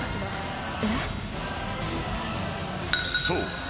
［そう。